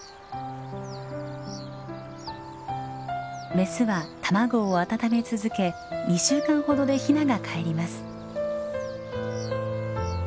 メスは卵を温め続け２週間ほどでヒナがかえります。